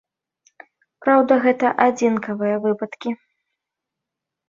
Праўда, гэта адзінкавыя выпадкі.